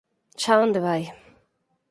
Xa onde vai!